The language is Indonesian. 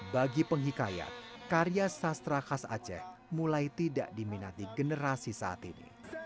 bagi penghikayat karya sastra khas aceh mulai tidak diminati generasi saat ini